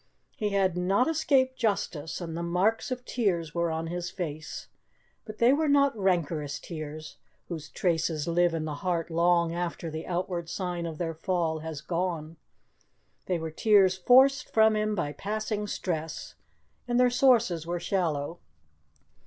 He had not escaped justice, and the marks of tears were on his face; but they were not rancorous tears, whose traces live in the heart long after the outward sign of their fall has gone. They were tears forced from him by passing stress, and their sources were shallow.